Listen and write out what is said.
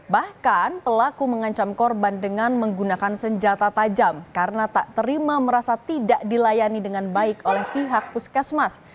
bahkan pelaku mengancam korban dengan menggunakan senjata tajam karena tak terima merasa tidak dilayani dengan baik oleh pihak puskesmas